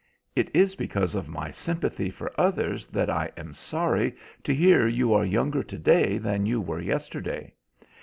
"It is because of my sympathy for others that I am sorry to hear you are younger today than you were yesterday.